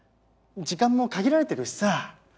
時間も限られてるしさ。